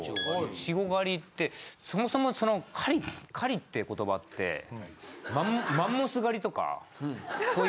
イチゴ狩りってそもそもその狩りって言葉ってマンモス狩りとかそういう。